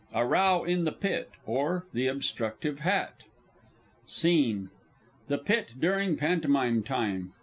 A Row in the Pit; or, The Obstructive Hat. SCENE _The Pit during Pantomime Time.